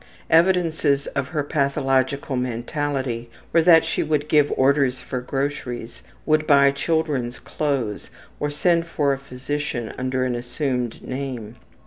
Evidences of her pathological mentality were that she would give orders for groceries, would buy children's clothes, or send for a physician under an assumed name.